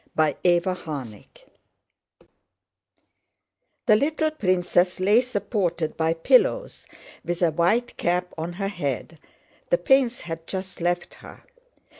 CHAPTER IX The little princess lay supported by pillows, with a white cap on her head (the pains had just left her).